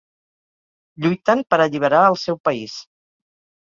Lluiten per alliberar el seu país.